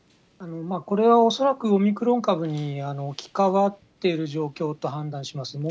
これは恐らくオミクロン株に置き換わっている状況と判断します。